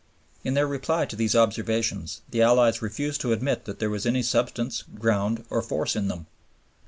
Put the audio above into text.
In their reply to these observations the Allies refused to admit that there was any substance, ground, or force in them.